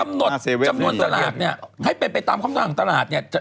การกำหนดจำนวนสลักเนี่ยให้ไปตามคำถามของตลาดเนี่ย